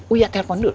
uya telepon dulu